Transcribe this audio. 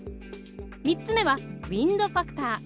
３つ目はウィンドファクター。